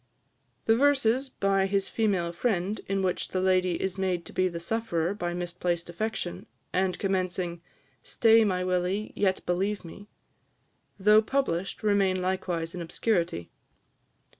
The verses by his female friend, in which the lady is made to be the sufferer by misplaced affection, and commencing, "Stay, my Willie, yet believe me," though published, remain likewise in obscurity.